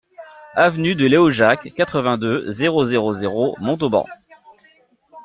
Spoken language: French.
Avenue de Léojac, quatre-vingt-deux, zéro zéro zéro Montauban